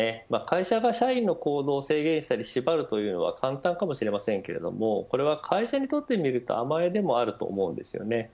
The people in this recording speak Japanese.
会社が社員の行動を制限したり縛るということは簡単かもしれませんがこれは会社にとってみると甘えでもあると思うんですよね。